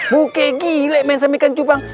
buke gile main sama ikan cupang